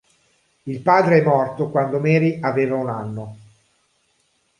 Il padre è morto quando Mary aveva un anno.